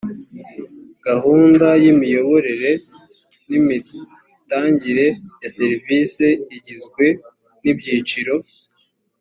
gahunda y imiyoborere n imitangire ya serivisi igizwe n ibyiciro